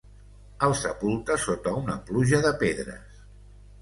El sepulta sota una pluja de pedres.